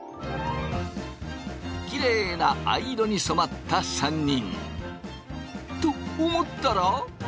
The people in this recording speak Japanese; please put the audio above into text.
きれいな藍色に染まった３人。と思ったら？